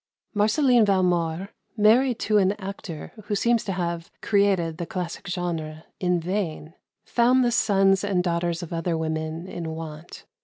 Marceline Valmore, married to an actor who seems to have "created the classic genre" in vain, found the sons and daughters of other women in want.